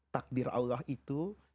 takdir allah itu